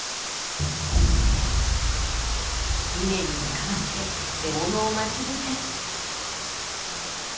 稲につかまって獲物を待ち伏せ。